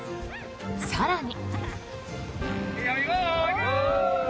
更に。